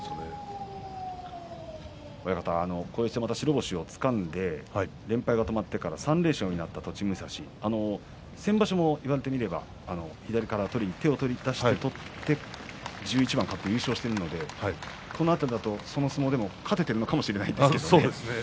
こうして白星をつかんで連敗を止めた栃武蔵、先場所も言われてみれば左から手を出して取って１１番勝って優勝しているのでこの辺りだとその相撲で勝てているのかもしれませんけれどね。